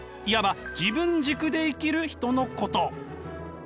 いわば自分軸で生きる人のこと。